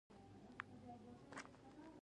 • ژړا د زړه بار سپکوي.